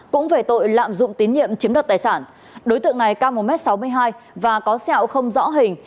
cũng về tội lạm dụng tín nhiệm chiếm đoạt tài sản đối tượng này cao một m sáu mươi hai và có sẹo không rõ hình